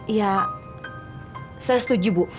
ya saya setuju bu